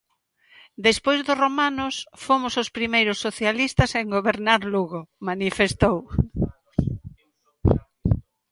"Despois dos romanos, fomos os primeiros socialistas en gobernar Lugo", manifestou.